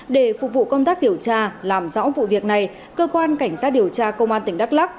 để phục vụ công tác điều tra làm rõ vụ việc này cơ quan cảnh sát điều tra công an tỉnh đắk lắc